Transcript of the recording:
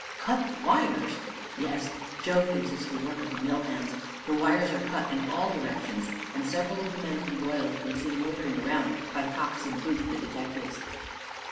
"Cut the wires!" "Yes. Joe thinks it's the work of the mill hands. The wires are cut in all directions, and several of the men from Royal have been seen loitering around by Cox and Booth, the detectives."